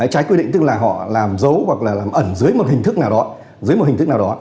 trái quy định tức là họ làm giấu hoặc là làm ẩn dưới một hình thức nào đó